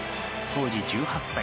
当時１８歳。